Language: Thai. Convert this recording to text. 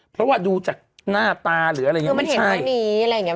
เพราะว่าดูจากหน้าตาหรืออะไรยังไม่ใช่